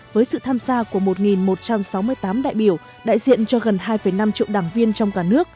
với sự tham gia của một một trăm sáu mươi tám đại biểu đại diện cho gần hai năm triệu đảng